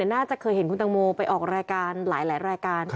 น่าจะเคยเห็นคุณตังโมไปออกรายการหลายรายการ